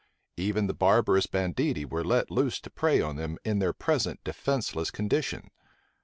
Even the barbarous banditti were let loose to prey on them in their present defenceless condition.